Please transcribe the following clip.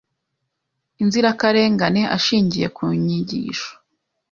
inzirakarengane ashingiye ku nyigisho